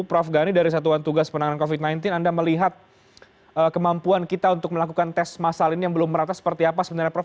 prof gani dari satuan tugas penanganan covid sembilan belas anda melihat kemampuan kita untuk melakukan tes masal ini yang belum merata seperti apa sebenarnya prof